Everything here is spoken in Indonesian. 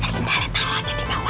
sendalek taruh aja dibawah